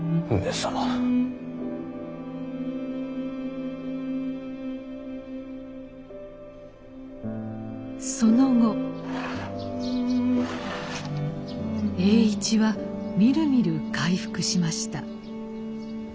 その後栄一はみるみる回復しました。